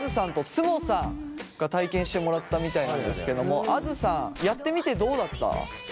んとつもさんが体験してもらったみたいなんですけどもあづさんやってみてどうだった？